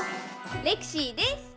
レクシーです！